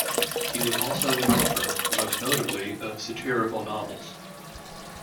He was also an author, most notably of satirical novels.